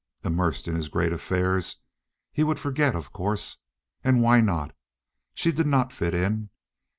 Immersed in his great affairs, he would forget, of course. And why not? She did not fit in.